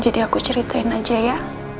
jadi aku curituiin aja ya